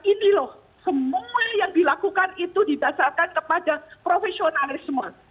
ini loh semua yang dilakukan itu didasarkan kepada profesionalisme